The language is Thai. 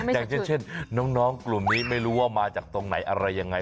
อย่างเช่นน้องกลุ่มนี้ไม่รู้ว่ามาจากตรงไหนอะไรยังไง